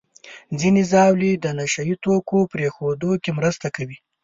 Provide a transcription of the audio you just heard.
ځینې ژاولې د نشهیي توکو پرېښودو کې مرسته کوي.